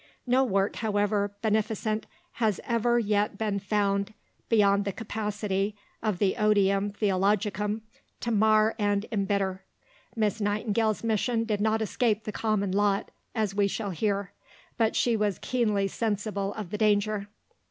No work, however beneficent, has ever yet been found beyond the capacity of the odium theologicum to mar and embitter. Miss Nightingale's mission did not escape the common lot, as we shall hear; but she was keenly sensible of the danger.